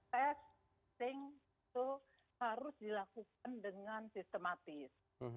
testing itu harus dilakukan dengan sistematis